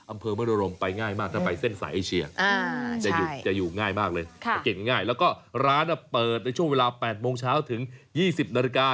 อำเภอมโนรมไปง่ายมากถ้าไปเส้นสายเอเชียจะอยู่ง่ายมากเลยจะเก็บง่ายแล้วก็ร้านเปิดในช่วงเวลา๘โมงเช้าถึง๒๐นาฬิกา